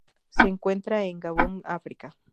Se encuentra en Gabón, África.